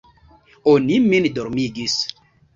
Oni min dormigis.